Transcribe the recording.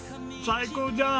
最高じゃん！